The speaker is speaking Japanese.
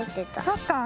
そっかあ。